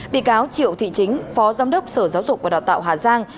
bị cáo triệu thị chính phó giám đốc sở giáo dục và đào tạo hà giang